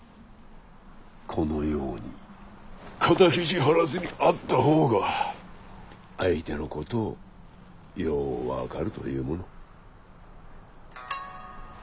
このように肩肘張らずに会った方が相手のことをよう分かるというもの。